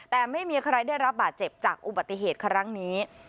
แต่ไม่มีใครได้รับบาดเจ็บจากอุบัติเหตุครั้งนี้